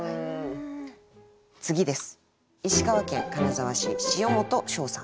次です。